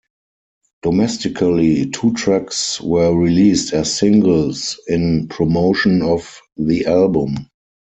Domestically two tracks were released as singles in promotion of the album.